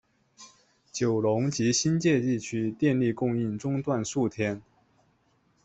九龙及新界地区电力供应中断数天。